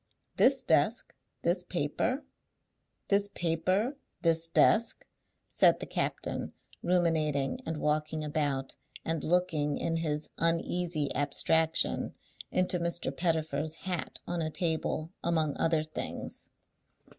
This desk, this paper, this paper, this desk," said the captain, ruminating and walking about, and looking, in his uneasy abstraction, into Mr. Pettifer's hat on a table, among other things.